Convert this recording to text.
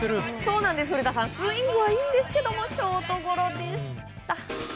スイングはいいんですけどもショートゴロでした。